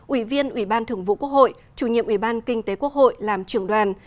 ủy viên ủy ban thường vụ quốc hội chủ nhiệm ủy ban kinh tế quốc hội làm trưởng đoàn